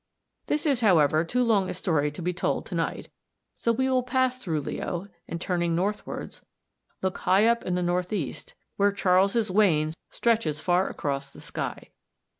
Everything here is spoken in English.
This is, however, too long a story to be told to night, so we will pass through Leo, and turning northwards, look high up in the north east (Fig. 58), where "Charles's Wain" stretches far across the sky.